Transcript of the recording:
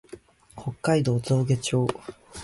北海道増毛町